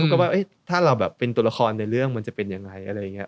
ก็ว่าถ้าเราแบบเป็นตัวละครในเรื่องมันจะเป็นยังไงอะไรอย่างนี้